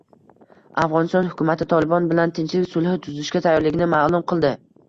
Afg‘oniston hukumati “Tolibon” bilan tinchlik sulhi tuzishga tayyorligini ma’lum qildi